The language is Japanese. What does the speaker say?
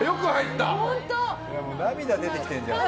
涙が出てきてんじゃん。